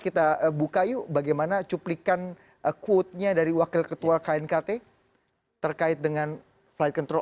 kita buka yuk bagaimana cuplikan quote nya dari wakil ketua knkt terkait dengan flight control